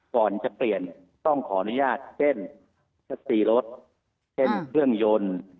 ก่อนจะเปลี่ยนต้องขออนุญาตเช่นสัก๔รถเช่นเครื่องยนต์